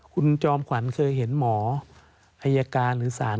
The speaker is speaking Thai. คุณจอมขวัญเคยเห็นหมออายการหรือศาล